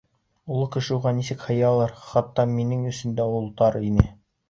Оло кеше уға нисек һыялыр, хатта минең өсөн дә ул тар ине.